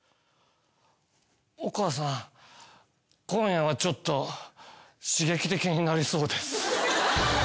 お母さん今夜はちょっと刺激的になりそうです。